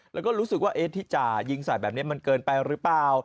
แล้วก็รู้สึกว่าที่จ่ายิงใส่แบบนี้มันเกินไปหรือเปล่า